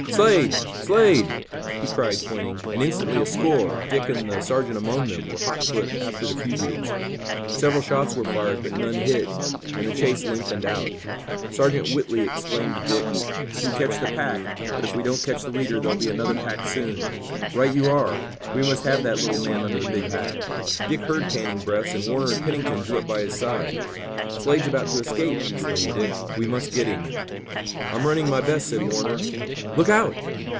"Slade! Slade!" he cried, pointing, and instantly a score, Dick and the sergeant among them, were hotfoot after the fugitives. Several shots were fired, but none hit, and the chase lengthened out. Sergeant Whitley exclaimed to Dick: "We catch the pack, but if we don't catch the leader there'll be another pack soon." "Right you are! We must have that little man under the big hat!" Dick heard panting breaths, and Warner and Pennington drew up by his side. "Slade's about to escape!" exclaimed Dick. "We must get him!" "I'm running my best," said Warner. "Look out!"